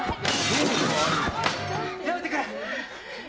やめてくれ！